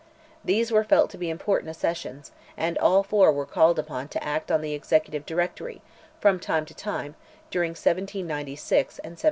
These were felt to be important accessions, and all four were called upon to act on "the Executive Directory," from time to time, during 1796 and 1797.